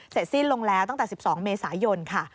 สิ้นลงแล้วตั้งแต่๑๒เมษายนค่ะ